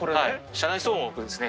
車内騒音をですね